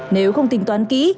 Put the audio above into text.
nếu không tính toán kỹ